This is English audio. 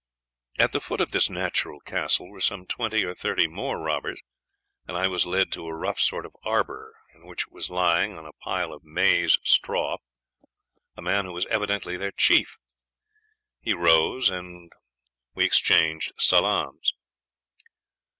"At the foot of this natural castle were some twenty or thirty more robbers, and I was led to a rough sort of arbor in which was lying, on a pile of maize straw, a man who was evidently their chief. He rose and we exchanged salaams.